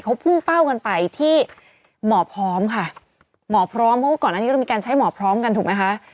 เขาพุ่งเป้ากันไปที่หมอพร้อมค่ะหมอพร้อมเพราะว่าก่อนอันนี้เรามีการใช้หมอพร้อมกันถูกไหมคะ